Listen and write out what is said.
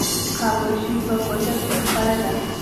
خاموشي په کوټه کې خپره ده.